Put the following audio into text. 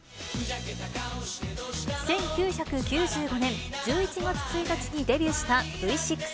１９９５年１１月１日にデビューしたＶ６。